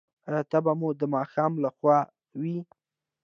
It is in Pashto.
ایا تبه مو د ماښام لخوا وي؟